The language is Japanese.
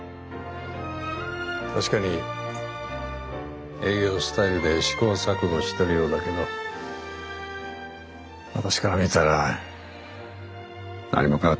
確かに営業スタイルで試行錯誤しているようだけど私から見たら何も変わってない。